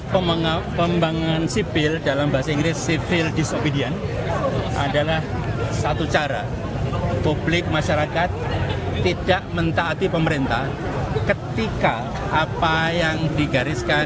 pembangunan sipil dalam bahasa inggris civil disobedience adalah satu cara publik masyarakat tidak mentaati pemerintah ketika apa yang digariskan